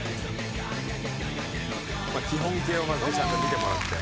基本形をまずちゃんと見てもらって。